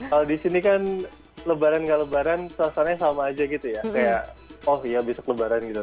kalau di sini kan lebaran gak lebaran suasananya sama aja gitu ya kayak oh ya besok lebaran gitu